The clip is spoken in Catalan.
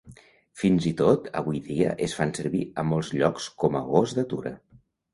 Fins i tot avui dia es fan servir a molts llocs com a gos d'atura.